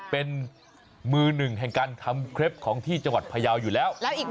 เป็นมือหนึ่งแห่งการทำเคล็ปของที่จังหวัดพยาวอยู่แล้ว